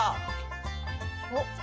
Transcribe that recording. おっ！